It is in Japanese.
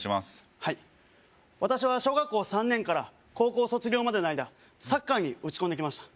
はい私は小学校３年から高校卒業までの間サッカーに打ち込んできました